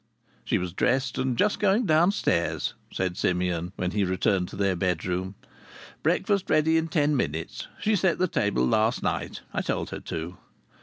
"She was dressed and just going downstairs," said Simeon when he returned to their bedroom. "Breakfast ready in ten minutes. She set the table last night. I told her to."